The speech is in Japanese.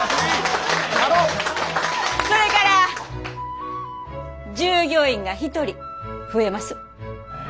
それから従業員が１人増えます。え？